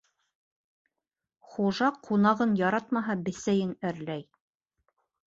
Хужа ҡунағын яратмаһа, бесәйен әрләй.